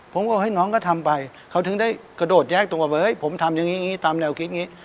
ผมก็ให้น้องก็ทำไปเขาถึงได้กระโดดแยกตรงว่าเฮ้ยผมทำอย่างนี้ตามแนวคิดนี้